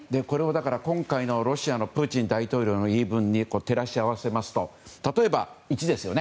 今回のロシアのプーチン大統領の言い分に照らし合わせますと例えば１ですね。